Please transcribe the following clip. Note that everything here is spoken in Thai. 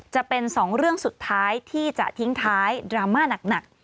จะเป็น๒เรื่องสุดท้ายที่จะทิ้งท้ายดราม่าหนัก